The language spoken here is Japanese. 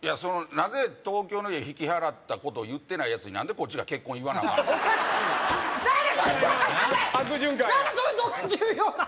なぜ東京の家引き払ったこと言ってないやつに何でこっちが結婚言わなアカンわけ何その考え！